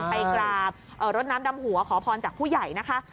ไปกราบรถน้ำดำหัวขอพรจากผู้ใหญ่นะคะ